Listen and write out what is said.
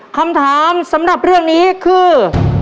คำถามสำหรับเรื่องนี้คือ